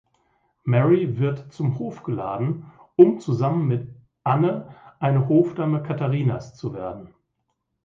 Mary wird zum Hof geladen, um zusammen mit Anne eine Hofdame Katharinas zu werden.